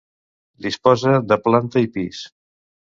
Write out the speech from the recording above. Disposa de planta i pis.